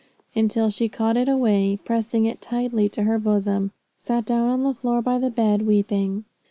until she caught it away, and pressing it tightly to her bosom, sat down on the floor by the bed, weeping.